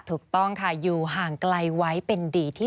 ถูกต้องค่ะอยู่ห่างไกลไว้เป็นดีที่สุด